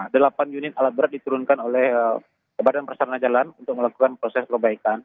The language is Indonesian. delapan unit alat berat diturunkan oleh badan persana jalan untuk melakukan proses perbaikan